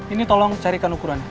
ini tolong carikan ukuran